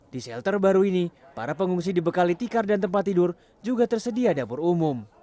di shelter baru ini para pengungsi dibekali tikar dan tempat tidur juga tersedia dapur umum